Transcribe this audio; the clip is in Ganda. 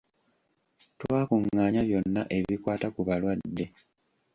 Twakungaanya byonna ebikwata ku balwadde.